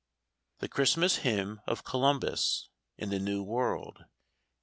THE CHRISTMAS HYMN OF COLUMBUS IN THE NEW WORLD.